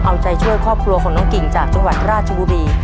เอาใจช่วยครอบครัวของน้องกิ่งจากจังหวัดราชบุรี